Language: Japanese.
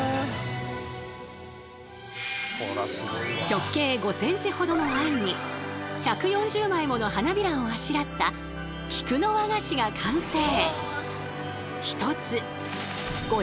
直径５センチほどのあんに１４０枚もの花びらをあしらった菊の和菓子が完成。